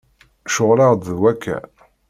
Ceɣleɣ-d d wakka.